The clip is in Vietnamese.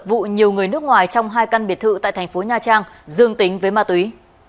vụ nhiều người nước ngoài trong hai căn biệt thự tại thành phố nha trang dương tính với ma túy